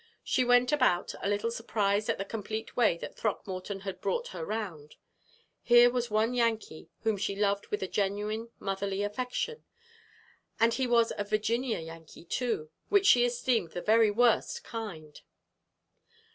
She went about, a little surprised at the complete way that Throckmorton had brought her round. Here was one Yankee whom she loved with a genuine motherly affection and he was a Virginia Yankee, too which she esteemed the very worst kind.